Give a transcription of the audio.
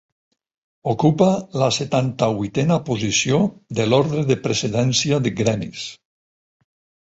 Ocupa la setanta-vuitena posició de l'ordre de precedència de gremis.